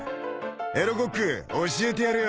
エロコック教えてやるよ。